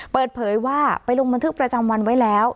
เปิดเผยว่าไปลงบันทึกประจำวันไว้แล้ว